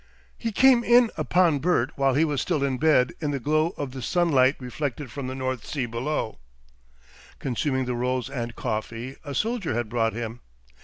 He came in upon Bert while he was still in bed in the glow of the sunlight reflected from the North Sea below, consuming the rolls and coffee a soldier had brought him.